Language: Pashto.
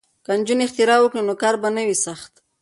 که نجونې اختراع وکړي نو کار به نه وي سخت.